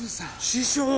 師匠！